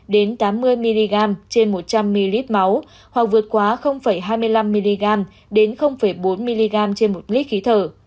đến tám mươi mg trên một trăm linh ml máu hoặc vượt quá hai mươi năm mg đến bốn mg trên một lít khí thở